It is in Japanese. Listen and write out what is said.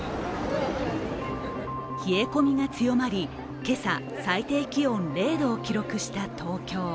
冷え込みが強まり、今朝、最低気温０度を記録した東京。